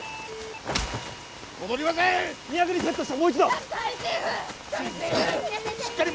戻りません２００にセットしてもう一度喜多見チーフ！